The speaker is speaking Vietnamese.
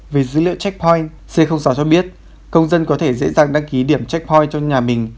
về dữ liệu checkpoint c sáu cho biết công dân có thể dễ dàng đăng ký điểm checkpoint trong nhà mình